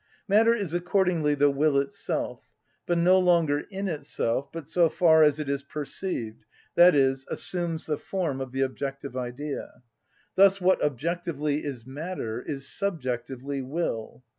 Matter is accordingly the will itself, but no longer in itself, but so far as it is perceived, i.e., assumes the form of the objective idea. Thus what objectively is matter is subjectively will.